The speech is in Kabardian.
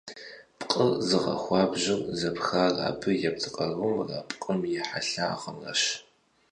Пкъыр зыгъэхуабжьыр зэпхар абы епт къарумрэ пкъым и хьэлъагъымрэщ.